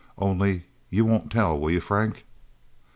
Only, you won't tell, will you, Frank?"